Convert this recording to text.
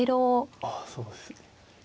あそうですね。